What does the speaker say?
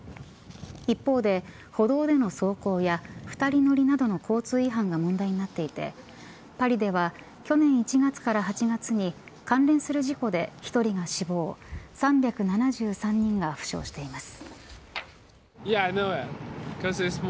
一方で、歩道での走行や２人乗りなどの交通違反が問題となっていてパリでは去年１月から８月に関連する事故で１人が死亡３７３人が負傷しています。